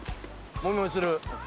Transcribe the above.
もみもみする。